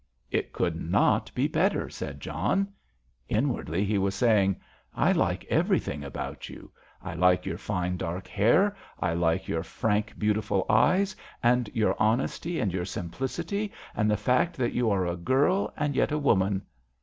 "It could not be better," said John. Inwardly he was saying: "I like everything about you; I like your fine, dark hair; I like your frank, beautiful eyes, and your honesty and your simplicity, and the fact that you are a girl and yet a woman.